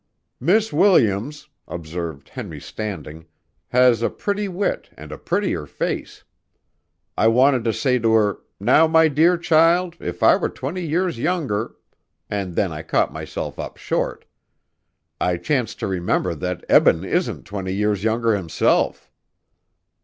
"Miss Williams," observed Henry Standing, "has a pretty wit and a prettier face. I wanted to say to her: 'Now, my dear child, if I were twenty years younger ' and then I caught myself up short. I chanced to remember that Eben isn't twenty years younger himself."